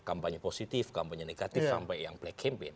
kampanye positif kampanye negatif sampai yang black campaign